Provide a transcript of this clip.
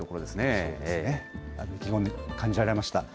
そうですね、意気込み感じられました。